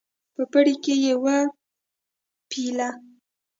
په پړي کې وپېله.